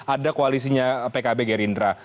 ada koalisinya pkb gerindra